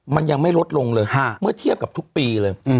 มันยังไม่ลดลงเลยเมื่อเทียบกับทุกปีเลย